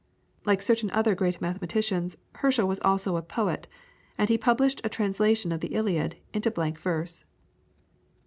Like certain other great mathematicians Herschel was also a poet, and he published a translation of the Iliad into blank verse.